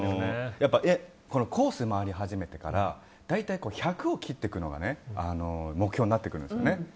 コースを回り始めてから大体１００を切っていくのが目標になっていくんですよね。